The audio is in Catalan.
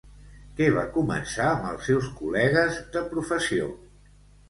Què va començar amb els seus col·legues de professió?